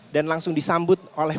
dan langsung disambut oleh